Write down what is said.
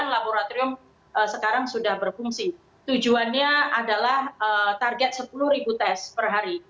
dua puluh sembilan laboratorium sekarang sudah berfungsi tujuannya adalah target sepuluh tes per hari